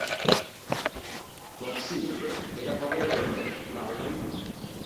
Roxie, এটা কবে ঘটল, ডার্লিং?